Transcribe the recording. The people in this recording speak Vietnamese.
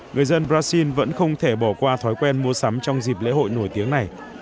người dân brazil vẫn không thể bỏ qua thói quen mua sắm trong dịp lễ hội nổi tiếng này